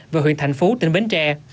và huyện thành phố tỉnh bến tre